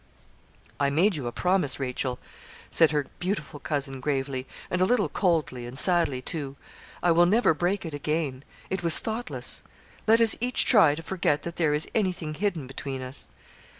'I made you a promise, Rachel,' said her beautiful cousin, gravely, and a little coldly and sadly, too; 'I will never break it again it was thoughtless. Let us each try to forget that there is anything hidden between us.'